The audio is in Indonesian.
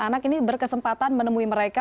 anak ini berkesempatan menemui mereka